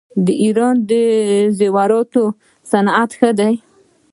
د ایران د زیوراتو صنعت ښه دی.